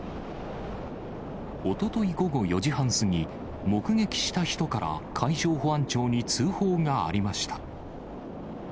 おととい午後４時半過ぎ、目撃した人から、海上保安庁に通報がありました。